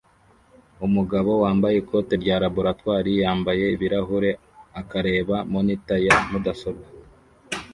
Umugabo wambaye ikote rya laboratoire yambaye ibirahure akareba monitor ya mudasobwa